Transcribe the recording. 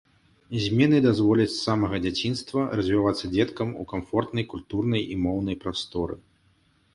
Змены дазволяць з самага дзяцінства развівацца дзеткам у камфортнай культурнай і моўнай прасторы.